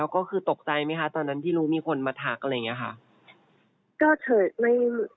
ก็คือตกใจไหมคะตอนนั้นที่รู้มีคนมาทักอะไรอย่างนี้ค่ะ